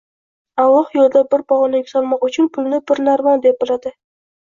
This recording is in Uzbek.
Alloh yo'lida bir pog'ona yuksalmoq uchun pulni bir narvon deb biladi